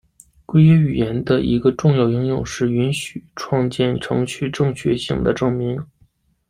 规约语言的一个重要应用是允许创建程序正确性的证明。